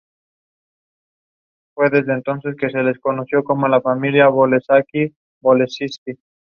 Algunos historiadores han cuestionado la exactitud de este informe.